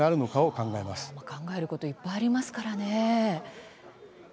考えることいっぱいありますからね。